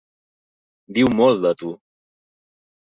Diu molt de tu.